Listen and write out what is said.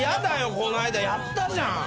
この間やったじゃん。